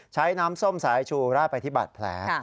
ใช้น้ำส้มสายชูราดไปที่บาดแผล